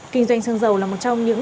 kinh doanh xăng dầu là một trong những